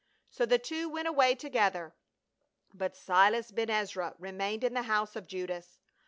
So the two went away together, but Silas Ben Ezra remained in the house of Judas.